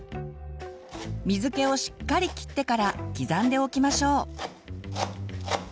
水けをしっかりきってから刻んでおきましょう。